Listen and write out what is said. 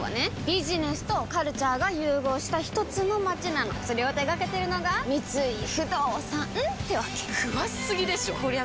ビジネスとカルチャーが融合したひとつの街なのそれを手掛けてるのが三井不動産ってわけ詳しすぎでしょこりゃ